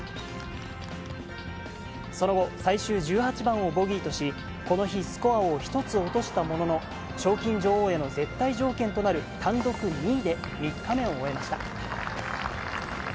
その後、最終１８番をボギーとし、この日スコアを１つ落としたものの、賞金女王への絶対条件となる単独２位で３日目を終えました。